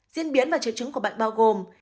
diễn biến và triệu chứng của bệnh bao gồm